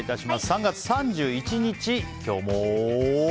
３月３１日、今日も。